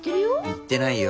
言ってないよ。